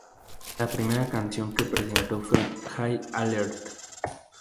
La primera canción que presentó fue "High Alert!